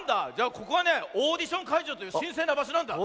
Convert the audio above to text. ここはねオーディションかいじょうというしんせいなばしょなんだ。